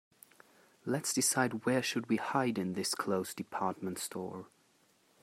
Let's decide where should we hide in this closed department store.